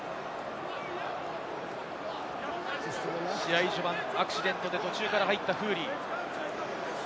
試合序盤アクシデントで途中から入ったフーリー。